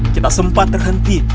kita sempat terhenti